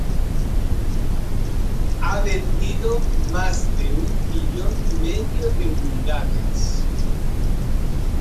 Ha vendido más de un millón y medio de unidades.